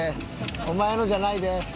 お前のじゃないで。